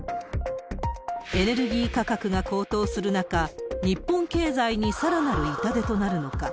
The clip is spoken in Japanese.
エネルギー価格が高騰する中、日本経済にさらなる痛手となるのか。